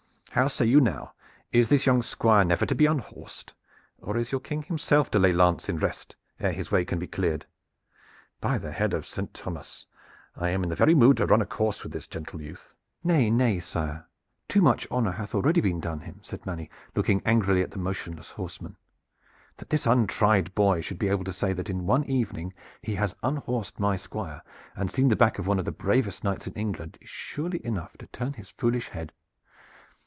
How say you now? Is this young Squire never to be unhorsed, or is your King himself to lay lance in rest ere his way can be cleared? By the head of Saint Thomas! I am in the very mood to run a course with this gentle youth." "Nay, nay, sire, too much honor hath already been done him!" said Manny, looking angrily at the motionless horseman. "That this untried boy should be able to say that in one evening he has unhorsed my Squire, and seen the back of one of the bravest knights in England is surely enough to turn his foolish head.